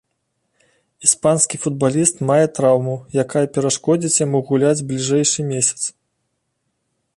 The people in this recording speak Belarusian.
Іспанскі футбаліст мае траўму, якая перашкодзіць яму гуляць бліжэйшы месяц.